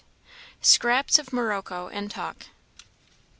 Scraps of Morocco and talk.